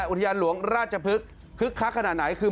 อุทยานหลวงราชพฤกษ์คึกคักขนาดไหนคือ